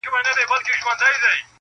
• فېشن د هر نوي دور جامه ده -